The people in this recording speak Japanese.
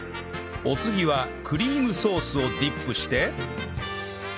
お次はクリームソースをディップして